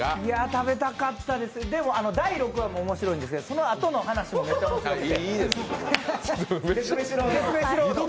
食べたかったです、でも第６話も面白いんですけどそのあとの話もめちゃ面白くて。